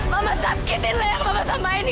mama sakitin leher mama sama ini